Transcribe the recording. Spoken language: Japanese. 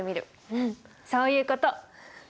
うんそういうこと。